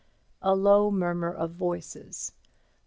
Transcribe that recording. A low murmur of voices.